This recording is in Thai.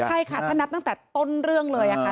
ใช่ค่ะถ้านับตั้งแต่ต้นเรื่องเลยค่ะ